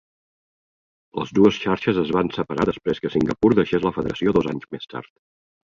Les dues xarxes es van separar després que Singapur deixés la federació dos anys més tard.